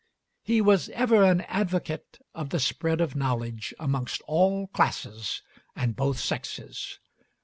He was ever an advocate of the spread of knowledge amongst all classes and both sexes.